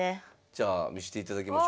じゃあ見していただきましょう。